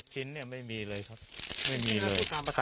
ชิ้นเนี่ยไม่มีเลยครับไม่มีเลย